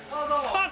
あっ